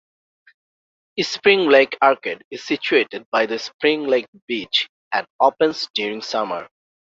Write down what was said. Spring Lake Arcade is situated by the Spring Lake beach and opens during summer.